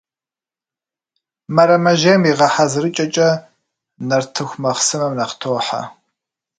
Мэрэмэжьейм и гъэхьэзырыкIэкIэ нартыху махъсымэм нэхъ тохьэ.